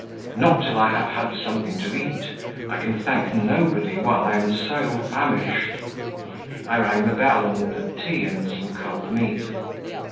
'" "Not till I have had something to eat; I can thank nobody while I am so famished." I rang the bell and ordered tea and some cold meat.